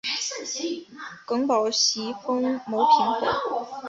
耿宝袭封牟平侯。